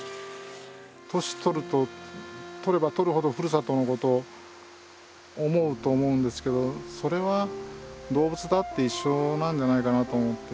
年取れば取るほどふるさとのことを思うと思うんですけどそれは動物だって一緒なんじゃないかなと思って。